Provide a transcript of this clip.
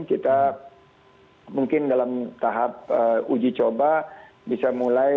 kita mungkin dalam tahap uji coba bisa mulai